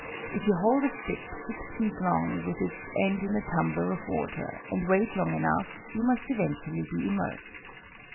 If you hold a stick, six feet long, with its end in a tumbler of water, and wait long enough, you must eventually be immersed.